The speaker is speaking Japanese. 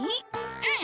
うん。